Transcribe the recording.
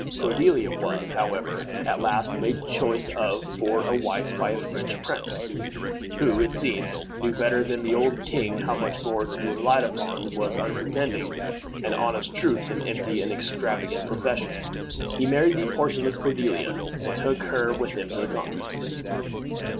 Cordiella was, however, at last made choice of for a wife by a French prince, who, it seems, knew better than the old king how much more to be relied upon was unpretending and honest truth than empty and extravagant profession. He married the portionless Cordiella, and took her with him to the Continent.